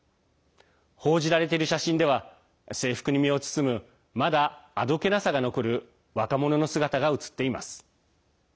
報じられている写真では制服に身を包むまだあどけなさが残る若者の姿が写っています。